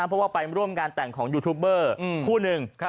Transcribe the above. เพราะว่าไปร่วมงานแต่งของยูทูบเบอร์คู่หนึ่ง